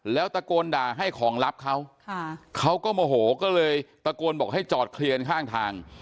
แล้วตะโกนด่าให้ของลับเขาเขาก็โมโหก็เลยตะโกนบอกให้จอดเคลียร์กันข้างทาง